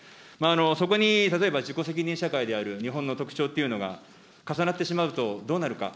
そこに例えば、自己責任社会である日本の特徴というのが重なってしまうとどうなるか。